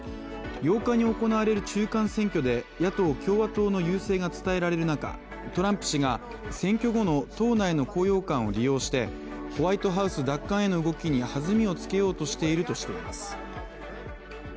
８日に行われる中間選挙で野党・共和党の優勢が伝えられる中トランプ氏が選挙後の党内の高揚感を利用してホワイトハウス奪還への動きに弾みをつけようとしているとしています。